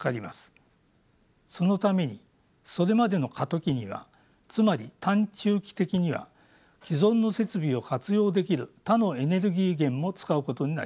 そのためにそれまでの過渡期にはつまり短・中期的には既存の設備を活用できる他のエネルギー源も使うことになります。